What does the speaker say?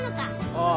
ああ。